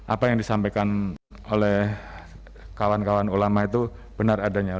apa yang disampaikan oleh kawan kawan ulama itu benar adanya